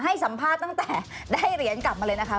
ให้สัมภาษณ์ตั้งแต่ได้เหรียญกลับมาเลยนะคะ